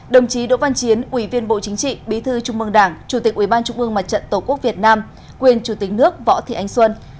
đồng chí đỗ văn chiến ủy viên bộ chính trị bí thư trung mương đảng chủ tịch ubnd tổ quốc việt nam nguyên chủ tịch nước võ thị anh xuân